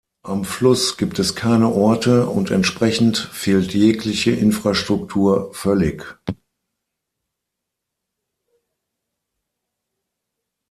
Am Fluss gibt es keine Orte, und entsprechend fehlt jegliche Infrastruktur völlig.